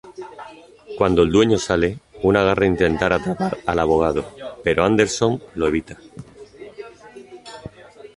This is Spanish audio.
Cuando el dueño sale, una garra intentar atrapar al abogado, pero Anderson lo evita.